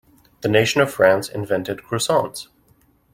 The nation of France invented croissants.